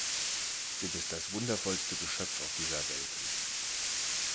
Du bist das wundervollste Geschöpf auf dieser Welt!